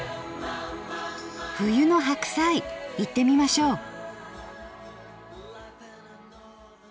冬の白菜いってみましょう。